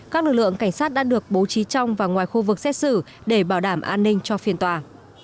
các lực lượng cảnh sát đã được bố trí trong và ngoài khu vực xét xử để bảo đảm an ninh cho phiên tòa